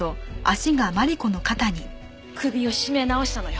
首を絞め直したのよ。